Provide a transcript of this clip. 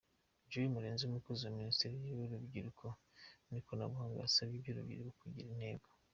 Joel Murenzi umukozi wa Minisiteri y’Uburubyiruko n’ikoranabuhanga yasabye urubyiruko kugira intego.